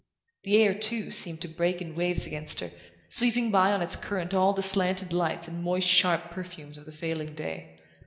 The air, too, seemed to break in waves against her, sweeping by on its current all the slanted lights and moist sharp perfumes of the failing day.